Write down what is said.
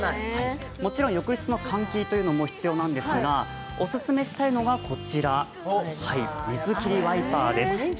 もちろん浴室の換気というのも必要なんですが、オススメしたいのがこちら、水切りワイパーです。